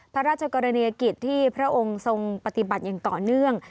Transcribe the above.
พระราชกรณียกิจที่พระองค์ทรงปฏิบัติอย่างต่อเนื่อง